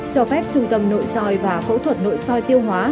cho phép trung tâm nội soi và phẫu thuật nội soi tiêu hóa